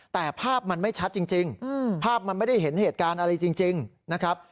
แต่ภาพมันไม่ชัดจริงภาพมันไม่ได้เห็นเหตุการณ์อะไรจริงนะครับ